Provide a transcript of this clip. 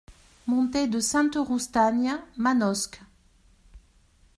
Montée de Sainte-Roustagne, Manosque